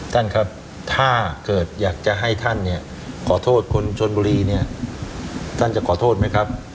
ท่านครับถ้าเกิดอยากจะให้ท่านเนี่ยขอโทษคนชนบุรีเนี่ยท่านจะขอโทษไหมครับ